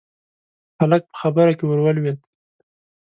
هلک په خبره کې ورولوېد: